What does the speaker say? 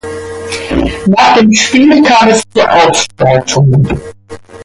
Nach dem Spiel kam es zu Ausschreitungen.